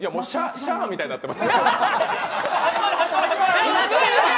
シャアみたいになってます。